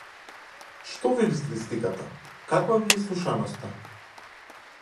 Што вели статистиката, каква ви е слушаноста?